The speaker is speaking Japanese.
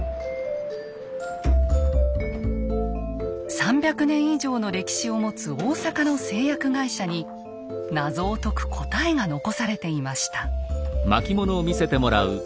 ３００年以上の歴史を持つ大阪の製薬会社に謎を解く答えが残されていました。